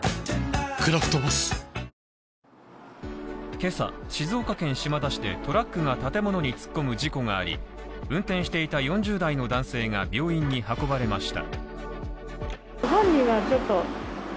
今朝、静岡県島田市でトラックが建物に突っ込む事故があり運転していた４０代の男性が病院に運ばれました。